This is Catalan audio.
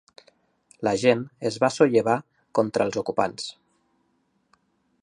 La gent es va sollevar contra els ocupants.